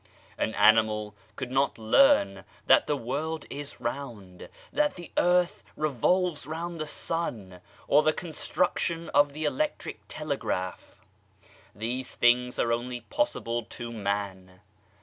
An animal could not learn that the world is round, that the Earth revolves round the Sun, or the construction of the electric telegraph. These Things are only possible to Man.